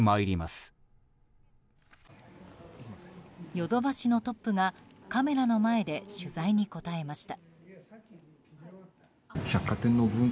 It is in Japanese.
ヨドバシのトップがカメラの前で取材に答えました。